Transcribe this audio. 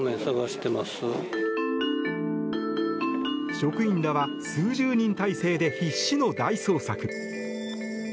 職員らは数十人態勢で必死の大捜索。